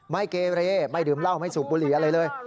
ไม่เกเรไม่ดื่มเหล้าไม่สูบบุหรี่อะไรเลย